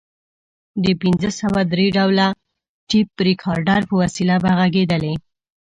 د پنځه سوه درې ډوله ټیپ ریکارډر په وسیله به غږېدلې.